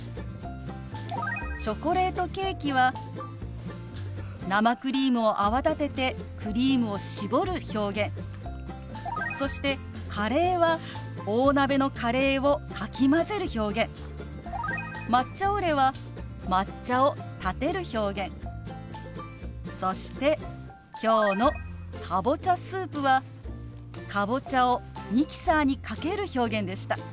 「チョコレートケーキ」は生クリームを泡立ててクリームを絞る表現そして「カレー」は大鍋のカレーをかき混ぜる表現「抹茶オレ」は抹茶をたてる表現そして今日の「かぼちゃスープ」はかぼちゃをミキサーにかける表現でした。